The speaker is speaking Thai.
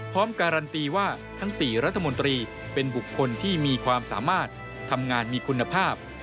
การันตีว่าทั้ง๔รัฐมนตรีเป็นบุคคลที่มีความสามารถทำงานมีคุณภาพ